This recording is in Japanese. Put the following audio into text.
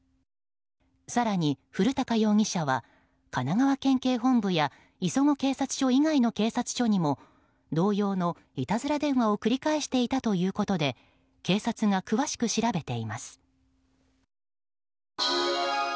更に、古高容疑者は神奈川県警本部や磯子警察署以外の警察署にも同様のいたずら電話を繰り返していたということで警察が詳しく調べています。